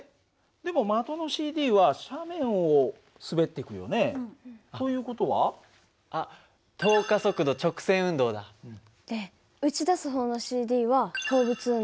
でも的のＣＤは斜面を滑っていくよね。という事は？で撃ち出す方のＣＤは放物運動になる。